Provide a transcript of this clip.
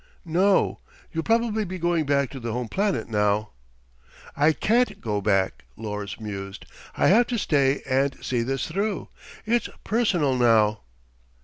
"No. You'll probably be going back to the home planet now." "I can't go back," Lors mused. "I have to stay and see this through. It's personal, now."